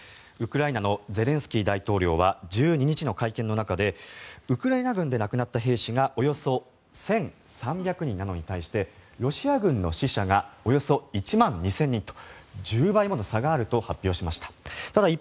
ウクライナのゼレンスキー大統領は１２日の会見の中でウクライナ軍で亡くなった兵士がおよそ１３００人なのに対してロシア軍の死者がおよそ１万２０００人と１０倍もの差があると発表しました。